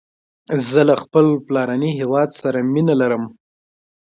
زه له خپل پلارنی هیواد سره مینه لرم